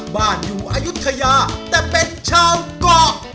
บ้านอยู่อายุทยาแต่เป็นชาวเกาะ